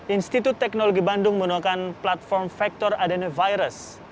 institut teknologi bandung menggunakan platform vector adenovirus